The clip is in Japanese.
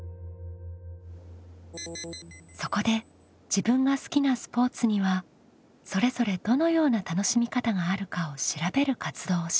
そこで自分が好きなスポーツにはそれぞれどのような楽しみ方があるかを調べる活動をします。